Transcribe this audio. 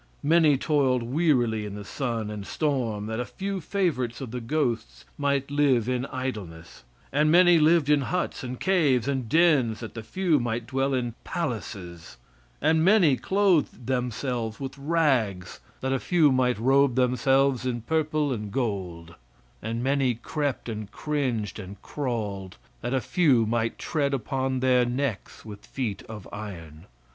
Many toiled wearily in the sun and storm that a few favorites of the ghosts might live in idleness, and many lived in huts and caves and dens that the few might dwell in palaces, and many clothed themselves with rags that a few might robe themselves in purple and gold, and many crept and cringed and crawled that a few might tread upon their necks with feet of iron.